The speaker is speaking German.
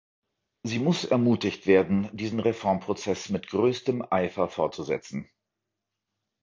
Sie muss ermutigt werden, diesen Reformprozess mit größtem Eifer fortzusetzen.